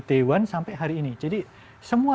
day one sampai hari ini jadi semua